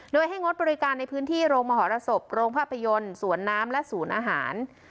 โดยให้งดบริการในพื้นที่โรงมหรสบโรงภาพยนตร์สวนน้ำและศูนย์อาหาร